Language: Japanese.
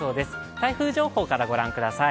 台風情報からご覧ください。